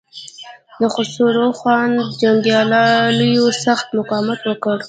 د خسرو خان جنګياليو سخت مقاومت وکړ.